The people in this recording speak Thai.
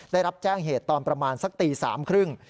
ได้รับแจ้งเหตุตอนประมาณสักตีสามครึ่ง